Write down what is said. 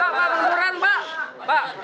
pak munduran pak